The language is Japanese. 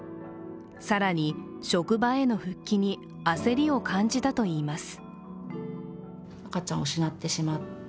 更に、職場への復帰に焦りを感じたといいます。